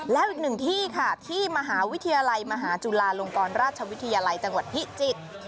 แล้วอีกหนึ่งที่ค่ะที่มหาวิทยาลัยมหาจุฬาลงกรราชวิทยาลัยจังหวัดพิจิตร